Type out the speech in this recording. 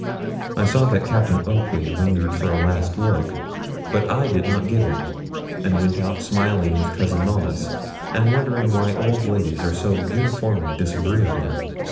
I saw that Captain Oakley lingered for a last look, but I did not give it, and went out smiling with Cousin Knollys, and wondering why old ladies are so uniformly disagreeable.